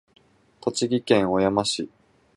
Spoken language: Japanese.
栃木県小山市